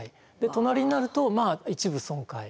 隣になると一部損壊。